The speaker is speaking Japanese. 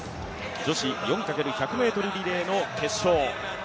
女子４×１００ｍリレーの決勝。